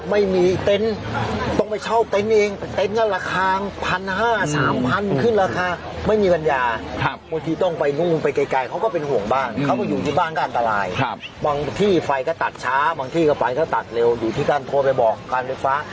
ไฟก็ตัดช้าบางที่ก็ตัดเร็วอยู่ที่การรับทราบไปบอกกลานไฟฟ้า